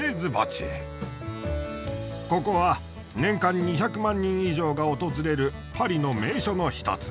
ここは年間２００万人以上が訪れるパリの名所の一つ。